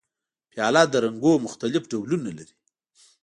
پیاله د رنګونو مختلف ډولونه لري.